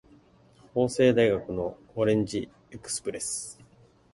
法政大学のオレンジエクスプレス